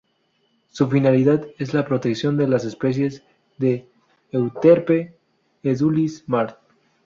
Su finalidad es la protección de las especies de "Euterpe edulis Mart.